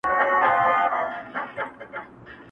• كه پر مځكه شيطانان وي او كه نه وي -